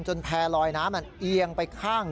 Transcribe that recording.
แพร่ลอยน้ำมันเอียงไปข้าง